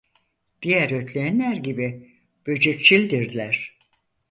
Diğer ötleğenler gibi böcekçildirler.